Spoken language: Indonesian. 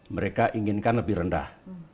mereka inginkan lebih rendah